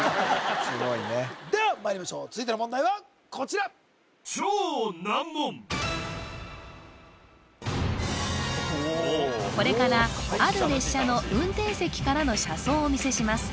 すごいねではまいりましょう続いての問題はこちらこれからある列車の運転席からの車窓をお見せします